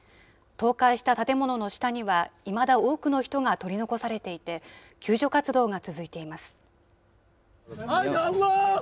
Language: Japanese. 倒壊した建物の下には、いまだ多くの人が取り残されていて、救助活動が続いています。